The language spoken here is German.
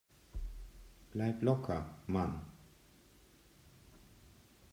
Bleib locker, Mann!